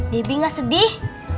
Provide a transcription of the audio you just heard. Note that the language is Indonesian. debbie gak sedih